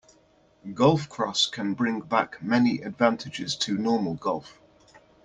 GolfCross can bring back many advantages to normal golf.